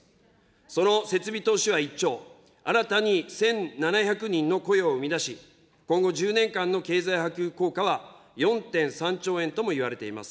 その設備投資は１兆、新たに１７００人の雇用を生み出し、今後１０年間の経済波及効果は４．３兆円ともいわれています。